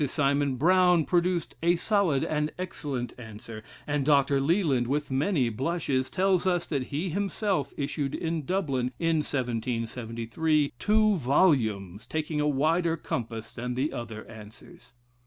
Simon Brown produced a "solid and excellent" answer; and Dr. Leland, with many blushes, tells us that he himself issued in Dublin, in 1773, two volumes, taking a wider compass than the other answers.